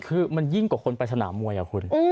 คือมันยิ่งกว่าคนไปสนามมวยอ่ะคุณ